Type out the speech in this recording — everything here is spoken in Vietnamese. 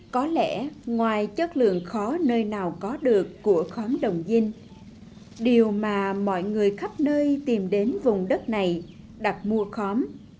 có lẽ ngoài chất lượng khó nơi nào có được của khóm đồng dinh điều mà mọi người khắp nơi tìm đến vùng đất này đặt mua khóm